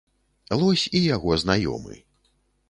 Лось і яго знаёмы.